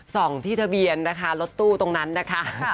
ส่องที่ทะเบียนนะคะรถตู้ตรงนั้นนะคะ